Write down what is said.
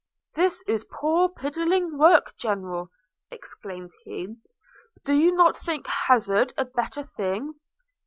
'This is poor piddling work, General!' exclaimed he: 'Do you not think hazard a better thing?'